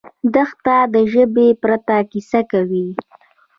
دښته د ژبې پرته کیسه کوي.